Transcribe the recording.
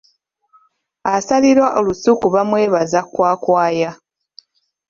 Asalira olusuku bamwebaza kwakwaya.